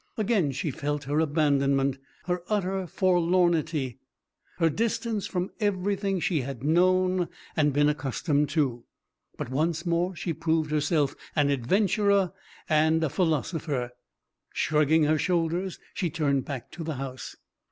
Again she felt her abandonment, her utter forlornity, her distance from everything she had known and been accustomed to. But once more she proved herself an adventurer and a philosopher. Shrugging her shoulders, she turned back to the house.